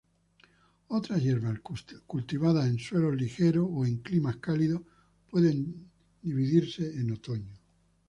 Otras hierbas cultivadas en suelos ligeros o en climas cálidos, pueden dividirse en otoño.